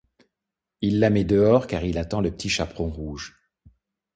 Il la met dehors car il attend le Petit Chaperon rouge.